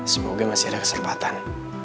semoga masih ada kesempatan